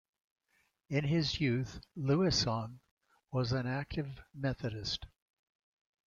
In his youth, Lewisohn was an active Methodist.